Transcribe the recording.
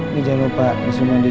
nih jangan lupa disini mandi